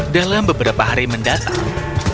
dalam beberapa hari mendatang